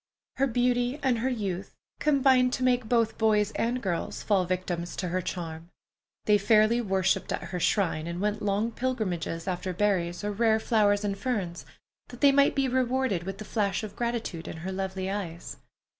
Her beauty and her youth combined to make both boys and girls fall victims to her charm. They fairly worshipped at her shrine, and went long pilgrimages after berries or rare flowers and ferns, that they might be rewarded with the flash of gratitude in her lovely eyes.